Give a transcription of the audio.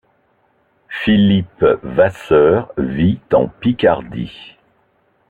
Philippe Vasseur vit en Picardie.